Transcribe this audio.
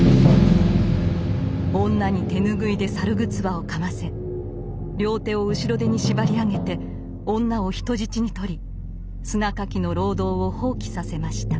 女に手拭いで猿ぐつわをかませ両手を後ろ手に縛り上げて女を人質にとり砂掻きの労働を放棄させました。